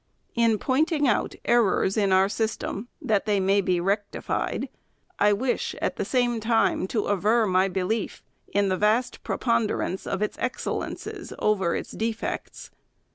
In pointing out errors in our system, that they may be rectified, I wish at the same time to aver my belief in the vast preponderance of its excellences over its defects.